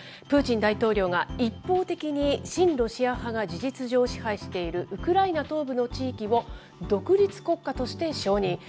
プーチン大統領が、一方的に親ロシア派が事実上、支配しているウクライナ東部の地域を独立国家として承認。